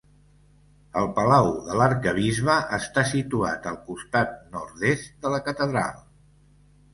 El Palau de l'Arquebisbe està situat al costat nord-est de la catedral.